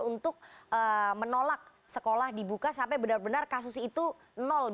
untuk menolak sekolah dibuka sampai benar benar kasus itu nol